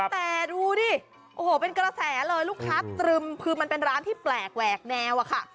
แต่ดูดิโอ้โหเป็นกระแสเลยลูกค้าตรึมคือมันเป็นร้านที่แปลกแหวกแนวอะค่ะ